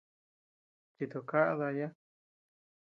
Chito kaʼa daya.